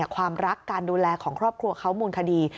ความรักการดูแลของครอบครัวเขามูลคดี